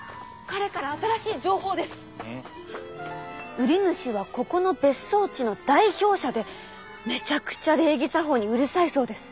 売り主はここの別荘地の代表者でめちゃくちゃ礼儀作法にうるさいそうです。